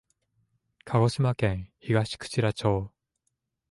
鹿児島県東串良町